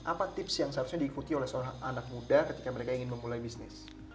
apa tips yang seharusnya diikuti oleh seorang anak muda ketika mereka ingin memulai bisnis